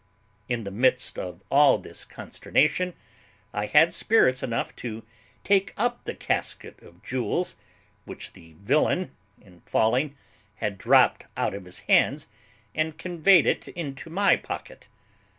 In the midst of all this consternation, I had spirits enough to take up the casket of jewels which the villain, in falling, had dropped out of his hands, and conveyed it into my pocket.